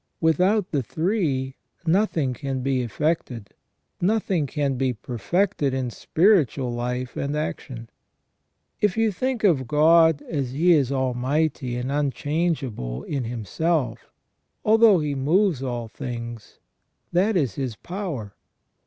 With out the three nothing can be effected, nothing can be perfected in spiritual life and action. If you think of God as He is almighty and unchangeable in Himself, although He moves all 1 8 ON THE NATURE OF MAN. things, that is His power.